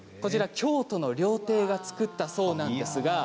京都の料亭が作ったそうです。